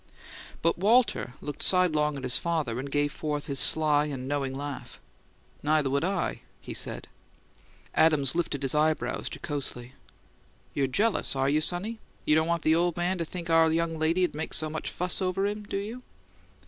But Walter looked sidelong at his father, and gave forth his sly and knowing laugh. "Neither would I!" he said. Adams lifted his eyebrows jocosely. "You're jealous, are you, sonny? You don't want the old man to think our young lady'd make so much fuss over him, do you?"